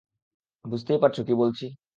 বুঝতেই পারছো কী বলছি?